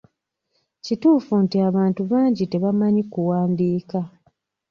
Kituufu nti abantu bangi tebamanyi kuwandiika.